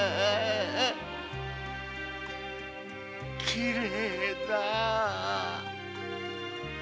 きれいだ。